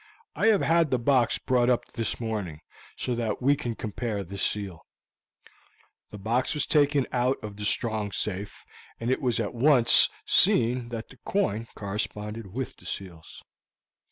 I have had the box brought up this morning, so that we can compare the seal." The box was taken out of the strong safe, and it was at once seen that the coin corresponded with the seals.